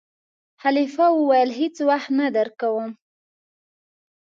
خلیفه وویل: هېڅ وخت نه درکووم.